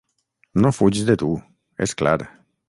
No fuig de tu, és clar.